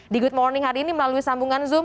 di good morning hari ini melalui sambungan zoom